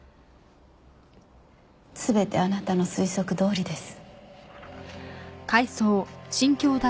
全てあなたの推測どおりです。